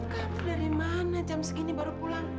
kamu dari mana jam segini baru pulang